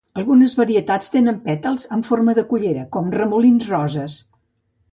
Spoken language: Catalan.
Algunes varietats tenen pètals "en forma de cullera" com "remolins roses".